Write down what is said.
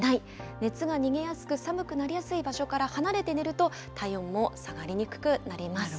熱が逃げやすく寒くなりやすい場所から離れて寝ると、体温も下がりにくくなります。